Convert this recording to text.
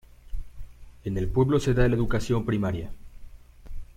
En el pueblo se da la educación primaria.